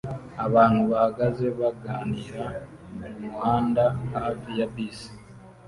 Abantu bahagaze baganira mumuhanda hafi ya bisi